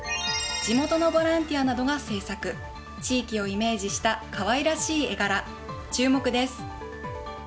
地元のボランティアなどが制作地域をイメージした可愛らしい絵柄、注目です。